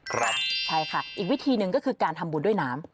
ใช่ค่ะอีกวิธีหนึ่งก็คือการทำบุญด้วยน้ำ